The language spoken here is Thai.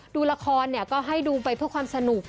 ดูละครก็ให้ดูไปเพื่อความสนุก